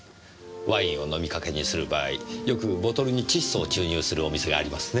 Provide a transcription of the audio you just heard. ワインを飲みかけにする場合よくボトルに窒素を注入するお店がありますねぇ。